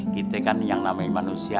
kita kan yang namanya manusia